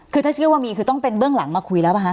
คือถ้าเชื่อว่ามีคือต้องเป็นเบื้องหลังมาคุยแล้วป่ะค